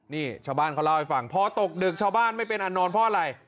นี่ชาวบ้านเขาเล่าให้ฟังพอตกดึกชาวบ้านไม่เป็นอันนอนเพราะอะไร